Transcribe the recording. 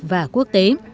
và quốc tế